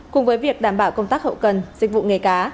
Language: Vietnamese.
cùng với việc đảm bảo công tác hậu cần dịch vụ nghề cá